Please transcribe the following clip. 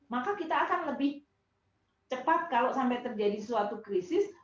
maka kita akan lebih cepat kalau sampai terjadi suatu krisis